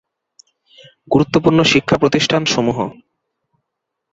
গুরুত্বপূর্ণ শিক্ষা প্রতিষ্ঠানসমূহ